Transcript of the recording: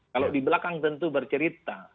kalau di belakang tentu bercerita